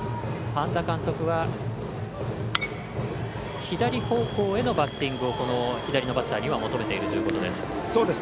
半田監督は左方向へのバッティングを左バッターには求めているということです。